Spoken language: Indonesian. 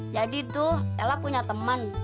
jadi tuh ella punya temen